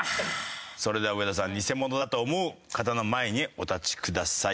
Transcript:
それでは上田さんニセモノだと思う方の前にお立ちください。